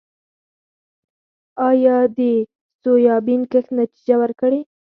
آیا د سویابین کښت نتیجه ورکړې؟